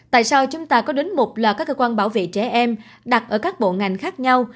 tại sao chúng ta có đến mục là các cơ quan bảo vệ trẻ em đặt ở các bộ ngành khác nhau